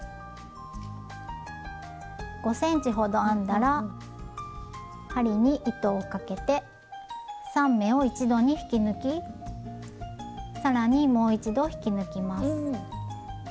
５ｃｍほど編んだら針に糸をかけて３目を一度に引き抜き更にもう一度引き抜きます。